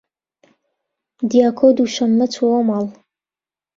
دیاکۆ دووشەممە چووەوە ماڵ.